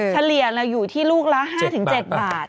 ทะเลียเซลล่ะอยู่ที่ลูกละ๕ถึง๗บาท